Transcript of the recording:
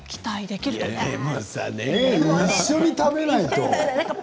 でもね、一緒に食べないと。